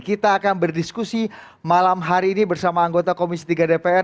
kita akan berdiskusi malam hari ini bersama anggota komisi tiga dpr